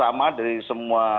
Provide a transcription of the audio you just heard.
paling bagus juga